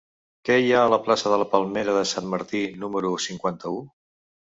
Què hi ha a la plaça de la Palmera de Sant Martí número cinquanta-u?